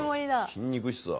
筋肉質だ。